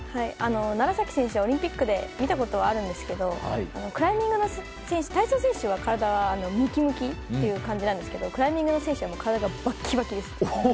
楢崎選手はオリンピックで見たことはあるんですけど体操の選手は体はムキムキという感じなんですがクライミングの選手は体バキバキです。